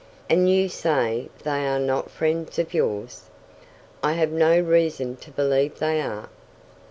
"And you say they are not friends of yours?" "I have no reason to believe they are."